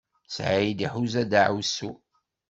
Sɛid iḥuza daɛwessu.